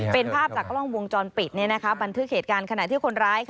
เป็นภาพจากกล้องวงจรปิดบันทึกเหตุการณ์ขณะที่คนร้าย